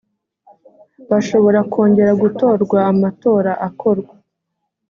bashobora kongera gutorwa amatora akorwa